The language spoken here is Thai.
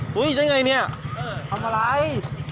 โห้ยเจ๋งงี้เนี่ย